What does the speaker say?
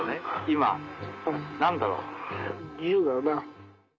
今何だろう？